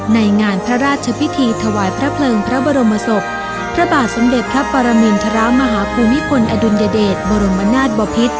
ในงานพระราชพิธีถวายพระเพลิงพระบรมศพพระบาทสมเด็จพระปรมินทรมาฮภูมิพลอดุลยเดชบรมนาศบพิษ